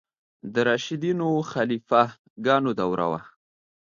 د راشدینو خلیفه ګانو دوره وه.